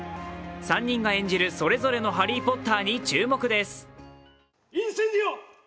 ３人が演じるそれぞれのハリー・ポッターに注目です。